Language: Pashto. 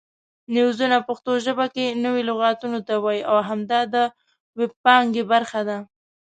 نویزونه پښتو ژبه کې نوي لغتونو ته وایي او همدا د وییپانګې برخه ده